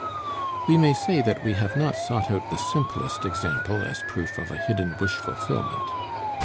We may say that we have not sought out the simplest example as proof of a hidden wish fulfillment.